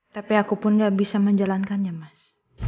tapi aku pun gak bisa menjalankannya mas